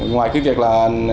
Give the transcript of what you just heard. ngoài cái việc là